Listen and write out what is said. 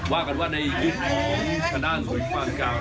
ว่ากันว่าในฤทธิ์ของธนาภิกษ์ภาคกลางนะครับ